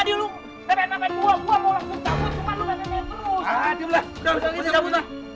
ke kerbang in